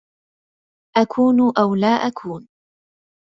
أكون أو لا أكون؟